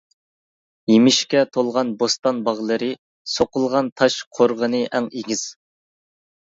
يېمىشكە تولغان بوستان باغلىرى، سوقۇلغان تاش قورغىنى ئەڭ ئېگىز.